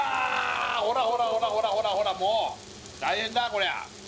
ほらほらほらほらほらほらもう大変だこりゃ